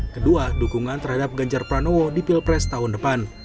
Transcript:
kedua dukungan terhadap ganjar pranowo di pilpres tahun depan